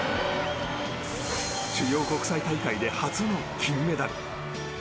主要国際大会で初の金メダル。